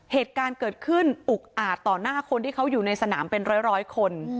เหตุการณ์เกิดขึ้นอุกอาจต่อหน้าคนที่เขาอยู่ในสนามเป็นร้อยคน